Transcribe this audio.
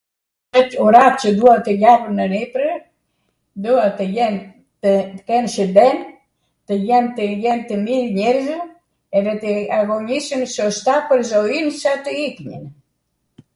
kwt urat qw dua tw jap nw niprw, dua tw jen, tw ken shwnden, tw jen tw mir njerzw, edhe tw aghonisen sosta pwr zoin sa tw iknjw